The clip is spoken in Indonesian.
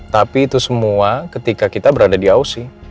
tapi itu semua ketika kita berada di ausi